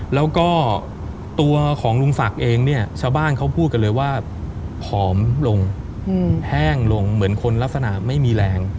แล้วก็ตัวของลุงศักดิ์เองเนี่ยชาวบ้านเขาพูดกันเลยว่าผอมลงแห้งลงเหมือนคนลักษณะไม่มีแรง